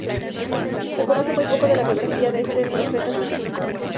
Se conoce muy poco de la biografía de este profeta sin libro propio.